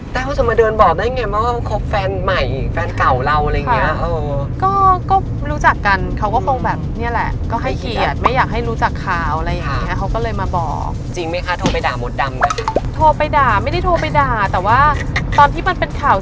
เถ้าให้มนต์จะไปตกใจแทนวุ้น